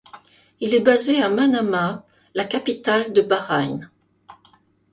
Il est basé à Manama, la capitale de Bahreïn.